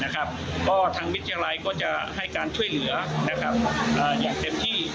ก็ทางวิทยาลัยก็จะให้การช่วยเหลืออย่างเต็มที่